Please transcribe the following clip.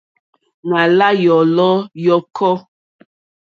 Nà la yòlò yɔ̀kɔ.